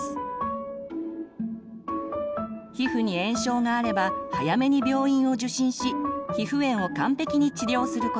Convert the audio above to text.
皮膚に炎症があれば早めに病院を受診し皮膚炎を完璧に治療すること。